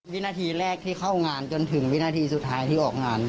วินาทีแรกที่เข้างานจนถึงวินาทีสุดท้ายที่ออกงาน